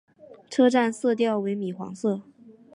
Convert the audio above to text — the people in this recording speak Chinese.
车站色调为米黄色。